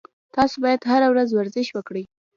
تاسو باید هر ورځ ورزش وکړئ